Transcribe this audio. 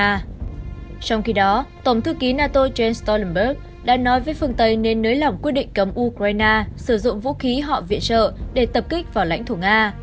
trong khi đó tổng thư ký nato jens stolenberg đã nói với phương tây nên nới lỏng quyết định cấm ukraine sử dụng vũ khí họ viện trợ để tập kích vào lãnh thổ nga